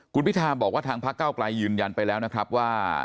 คุณพิธาบอกว่าทางพระเก้าไกลยืนยันไปแล้วนะครับว่า